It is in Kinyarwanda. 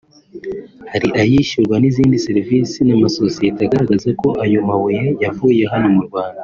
hari ayishyurwa n’izindi serivisi n’amasosiyete agaragaza ko ayo mabuye yavuye hano mu Rwanda